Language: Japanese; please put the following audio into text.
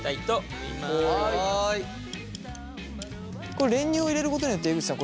これ練乳を入れることによって江口さん